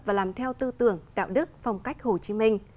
và làm theo tư tưởng đạo đức phong cách hồ chí minh